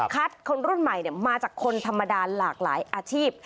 คนรุ่นใหม่มาจากคนธรรมดาหลากหลายอาชีพ